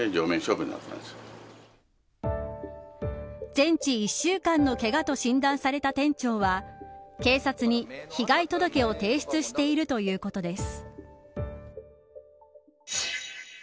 全治１週間のけがと診断された店長は警察に被害届を提出しているということです。